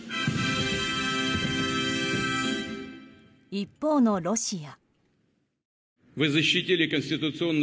一方のロシア。